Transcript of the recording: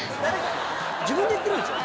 自分で言ってるんでしょ？